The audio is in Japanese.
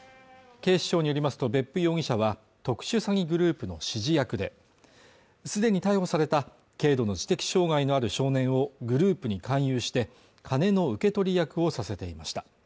警視庁によりますと別府容疑者は特殊詐欺グループの指示役ですでに逮捕された軽度の知的障害のある少年をグループに勧誘して金の受け取り役をさせていました